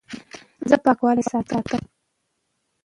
زه پاکوالی ساتم.